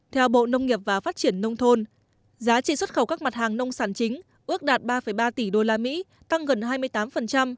theo bộ nông nghiệp và phát triển nông thôn giá trị xuất khẩu các mặt hàng nông sản chính ước đạt ba ba tỷ usd tăng gần hai mươi tám